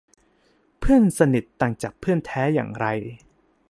เพื่อนสนิทต่างจากเพื่อนแท้อย่างไร